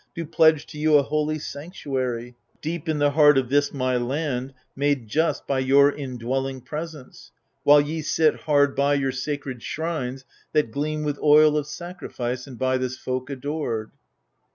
Do pledge to you a holy sanctuary Deep in the heart of this my land, made just By your indwelling presence, while ye sit Hard by your sacred shrines that gleam with oil Of sacrifice, and by this folk adored.